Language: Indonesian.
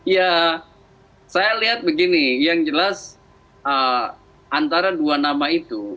ya saya lihat begini yang jelas antara dua nama itu